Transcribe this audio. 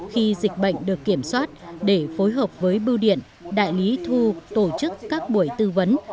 khi dịch bệnh được kiểm soát để phối hợp với bưu điện đại lý thu tổ chức các buổi tư vấn